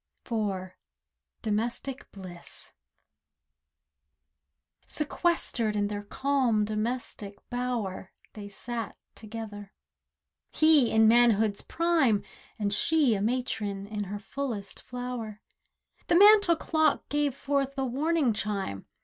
DOMESTIC BLISS IV Sequestered in their calm domestic bower, They sat together. He in manhood's prime And she a matron in her fullest flower. The mantel clock gave forth a warning chime.